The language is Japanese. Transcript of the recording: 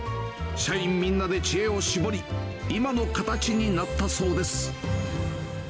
社員みんなで知恵を絞り、今の形になったそうです。